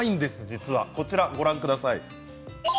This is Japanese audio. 実はこちらをご覧ください。